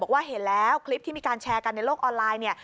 ว่าเห็นแล้วคลิปที่มีการแชร์กันในโลกออนไลน์เนี่ย